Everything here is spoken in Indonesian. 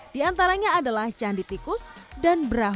di antaranya adalah candi tikus dan brahu